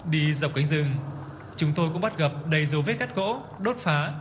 đi dọc cánh rừng chúng tôi cũng bắt gặp đầy dấu vết cắt gỗ đốt phá